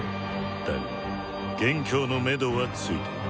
だが元凶の目処はついている」。